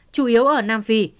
chủ yếu ở nam phi